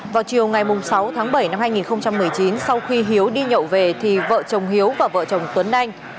vào chiều ngày sáu tháng bảy năm hai nghìn một mươi chín sau khi hiếu đi nhậu về thì vợ chồng hiếu và vợ chồng tuấn anh